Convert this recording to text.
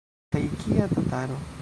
Kaj kia tataro!